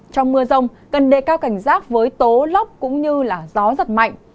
trong mưa rông cần đề cao cảnh rác với tố lóc cũng như gió rất mạnh